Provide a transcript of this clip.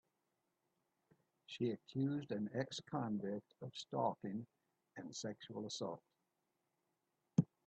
She accused an ex-convict of stalking and sexual assault.